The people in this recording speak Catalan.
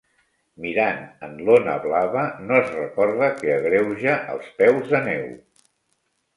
Mirant en l'ona blava, no es recorda que agreuja els peus de neu.